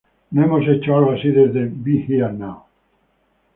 No hemos hecho algo así desde "Be Here Now".